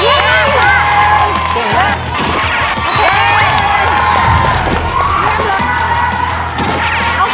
เยี่ยมมาก